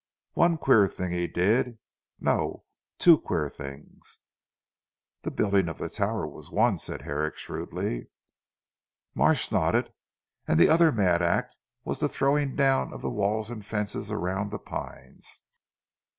One queer thing he did no! Two queer things." "The building of the tower was one," said Herrick shrewdly. Marsh nodded. "And the other mad act was the throwing down of the walls and fences round the Pines."